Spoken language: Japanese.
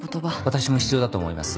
私も必要だと思います。